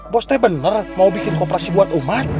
bos bos teh bener mau bikin kooperasi buat umat